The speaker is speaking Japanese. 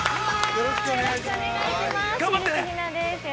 よろしくお願いします。